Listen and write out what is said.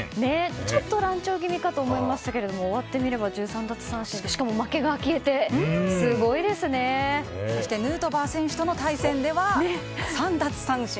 ちょっと乱調気味だった感じがしましたが終わってみれば１３奪三振でしかも負けが消えてヌートバー選手との対戦では３奪三振。